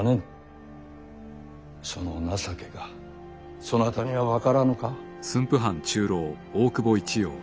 その情けがそなたには分からぬか？